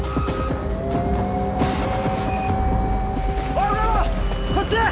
おいこっちや！